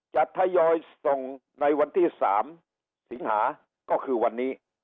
ทยอยส่งในวันที่๓สิงหาก็คือวันนี้